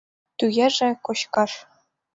— Тугеже, кочкаш!